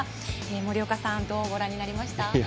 森岡さんはどうご覧になりました。